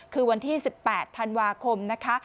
คือวันที่๑๘ธันวาคมนะคะ